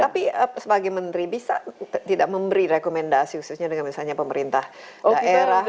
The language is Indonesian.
tapi sebagai menteri bisa tidak memberi rekomendasi khususnya dengan misalnya pemerintah daerah